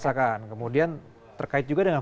belum dirasakan kemudian terkait juga dengan